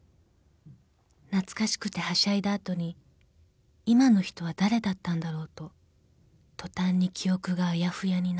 ［懐かしくてはしゃいだ後に今の人は誰だったんだろうと途端に記憶があやふやになる］